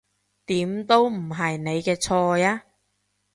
點都唔係你嘅錯呀